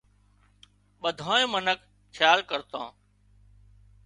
ٻڌانئي منک کيال ڪرتان